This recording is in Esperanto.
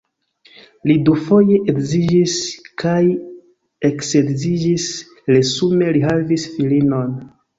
Li dufoje edziĝis kaj eksedziĝis, resume li havis filinon.